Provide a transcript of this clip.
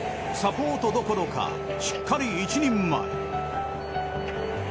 サポートどころかしっかり一人前。